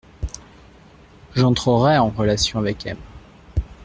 J’entrerai en relation avec M.